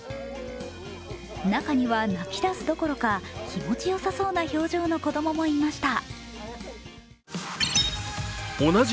中には泣き出すどころか気持ちよさそうな表情の子供もいました。